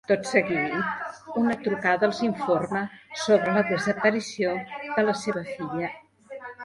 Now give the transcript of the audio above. Tot seguit, una trucada els informa sobre la desaparició de la seva filla.